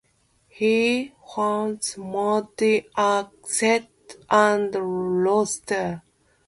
His famous motives are "Cat" and "Rooster".